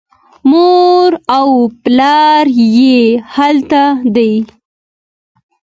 مور او پلار یې هلته دي.